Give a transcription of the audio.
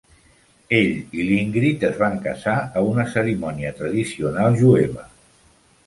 Ell i l'Ingrid es van casar a una cerimònia tradicional jueva.